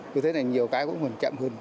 vì thế này nhiều cái cũng chậm hơn